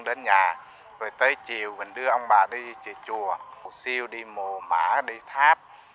đến nhà rồi tới chiều mình đưa ông bà đi chùa cầu siêu đi mù mã đi tháp